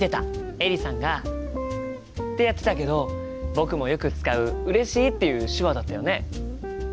エリさんがってやってたけど僕もよく使う「うれしい」っていう手話だったよね。